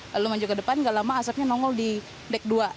lalu maju ke depan gak lama asapnya nongol di deck dua